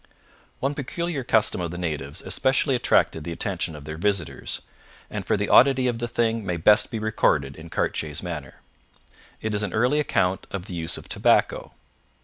One peculiar custom of the natives especially attracted the attention of their visitors, and for the oddity of the thing may best be recorded in Cartier's manner. It is an early account of the use of tobacco.